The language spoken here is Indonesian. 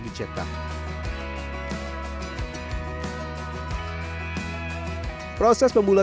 ya jangan lupa tersisa